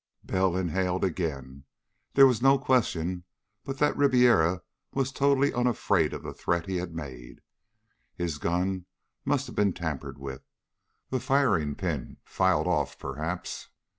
Bell inhaled again. There was no question but that Ribiera was totally unafraid of the threat he had made. His gun must have been tampered with, the firing pin filed off perhaps.